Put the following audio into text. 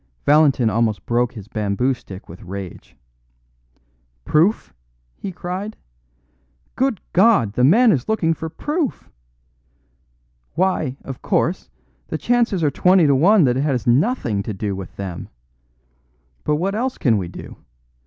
Valentin almost broke his bamboo stick with rage. "Proof!" he cried. "Good God! the man is looking for proof! Why, of course, the chances are twenty to one that it has nothing to do with them. But what else can we do?